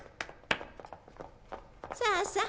さあさあ